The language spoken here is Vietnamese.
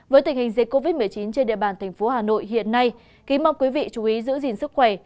với tình hình dịch covid một mươi chín trên địa bàn thành phố hà nội hiện nay kính mong quý vị chú ý giữ gìn sức khỏe